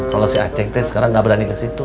kalau si aceh sekarang gak berani kesitu